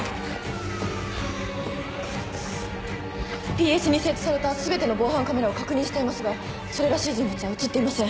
ＰＳに設置された全ての防犯カメラを確認していますがそれらしい人物は映っていません。